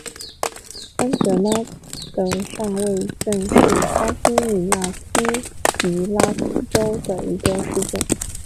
安德拉德上尉镇是巴西米纳斯吉拉斯州的一个市镇。